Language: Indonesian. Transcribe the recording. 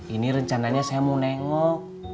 ini rencananya saya mau nengok